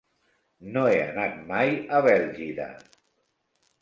No he anat mai a Bèlgida.